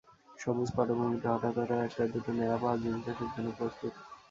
সবুজ পটভূমিতে হঠাৎ হঠাৎ একটা-দুটো ন্যাড়া পাহাড় জুম চাষের জন্য প্রস্তুত।